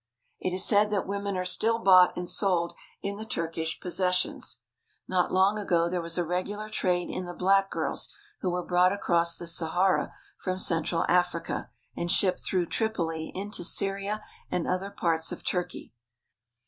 It is said that women are still bought and sold in the Turkish possessions. Not long ago there was a regular trade in the black girls who were brought across the Sahara from Central Africa and shipped through Trip oli into Syria and other parts of Turkey.